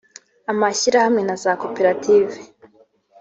amashyirahamwe na za koperative